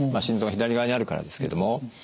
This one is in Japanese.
心臓が左側にあるからですけども。